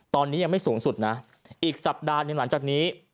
ตอนนี้ยังไม่สูงสุดนะอีกสัปดาห์หนึ่งหลังจากนี้